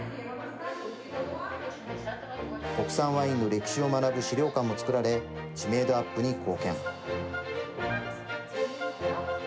国産ワインの歴史を学ぶ資料館もつくられ知名度アップに貢献。